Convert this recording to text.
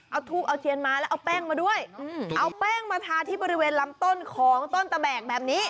เอาทูบเอาเทียนมาแล้วเอาแป้งมาด้วยเอาแป้งมาทาที่บริเวณลำต้นของต้นตะแบกแบบนี้